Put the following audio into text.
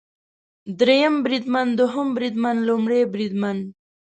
دریم بریدمن، دوهم بریدمن ، لومړی بریدمن